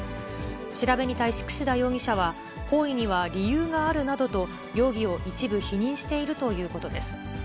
調べに対し櫛田容疑者は、行為には理由があるなどと、容疑を一部否認しているということです。